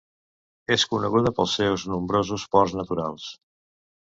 És coneguda pels seus nombrosos ports naturals.